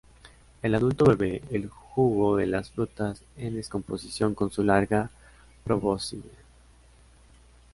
El adulto bebe el jugo de las frutas en descomposición con su larga Probóscide.